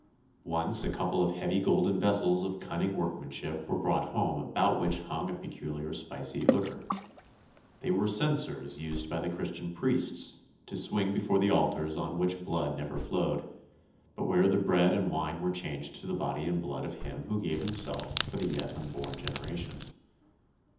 Once a couple of heavy golden vessels of cunning workmanship were brought home about which hung a peculiar spicy odour. They were censers used by the Christian priests to swing before the altars on which blood never flowed, but where the bread and wine were changed to the Body and Blood of Him who gave Himself for the yet unborn generations.